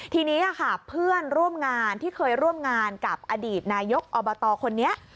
ทีนี้ค่ะเพื่อนร่วมงานที่เคยร่วมงานกับอดีตนายกอบตคนนี้